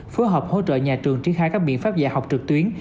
phối hợp hỗ trợ nhà trường triển khai các biện pháp dạy học trực tuyến